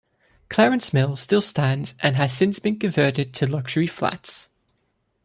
Clarence Mill still stands and has since been converted into luxury flats.